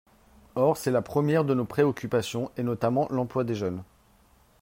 Or c’est la première de nos préoccupations, et notamment l’emploi des jeunes.